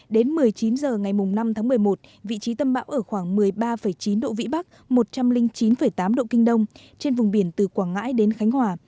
đến một mươi chín h ngày năm tháng một mươi một vị trí tâm bão ở khoảng một mươi ba chín độ vĩ bắc một trăm linh chín tám độ kinh đông trên vùng biển từ quảng ngãi đến khánh hòa